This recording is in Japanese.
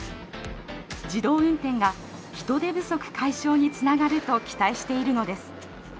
自動運転が人手不足解消につながると期待しているのです。